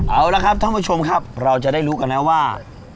เอาละครับท่านผู้ชมครับเราจะได้รู้กันนะว่า